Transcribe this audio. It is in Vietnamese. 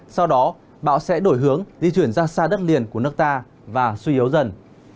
sau đó bão sẽ đổi hướng di chuyển ra xa đất liền của nước ta và suy yếu dần